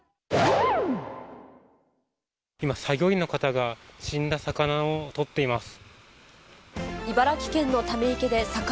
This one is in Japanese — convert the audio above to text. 今、作業員の方が死んだ魚を取っています。